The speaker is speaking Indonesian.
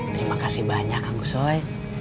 terima kasih banyak anggu soi